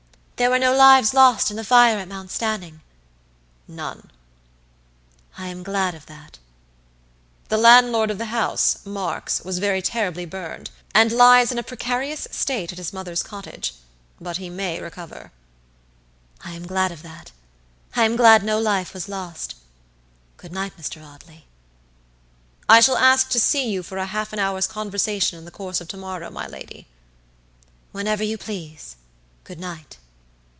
"There were no lives lost in the fire at Mount Stanning?" "None." "I am glad of that." "The landlord of the house, Marks, was very terribly burned, and lies in a precarious state at his mother's cottage; but he may recover." "I am glad of thatI am glad no life was lost. Good night, Mr. Audley." "I shall ask to see you for half an hour's conversation in the course of to morrow, my lady." "Whenever you please. Good night."